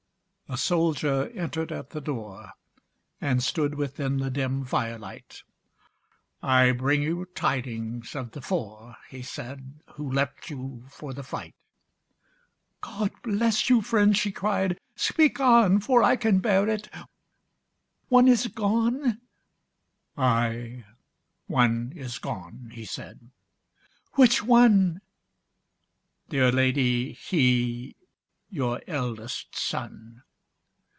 A soldier entered at the door, And stood within the dim firelight: "I bring you tidings of the four," He said, "who left you for the fight." "God bless you, friend," she cried; "speak on! For I can bear it. One is gone?" "Ay, one is gone!" he said. "Which one?" "Dear lady, he, your eldest son."